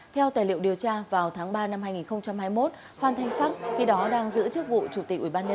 theo tài liệu điều tra vào tháng ba năm hai nghìn hai mươi một phan thanh sắc khi đó đang giữ chức vụ